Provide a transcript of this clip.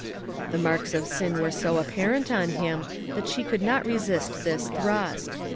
The marks of sin were so apparent on him that she could not resist this thrust.